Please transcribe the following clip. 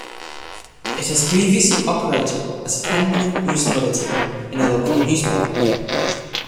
It has previously operated as a ten-minute news bulletin in a local newspaper.